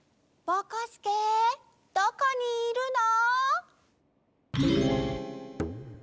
ぼこすけどこにいるの？